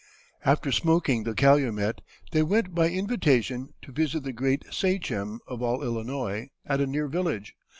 After smoking the calumet, they went by invitation to visit the Great Sachem of all Illinois, at a near village.